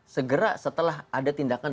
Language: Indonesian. segera setelah ada tindakan